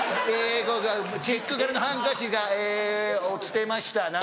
えチェック柄のハンカチがえ落ちてました。